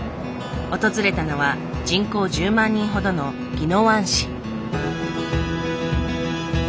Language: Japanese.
訪れたのは人口１０万人ほどの宜野湾市。